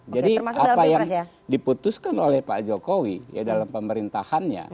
jadi apa yang diputuskan oleh pak jokowi ya dalam pemerintahannya